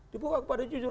dia buka kepada jujur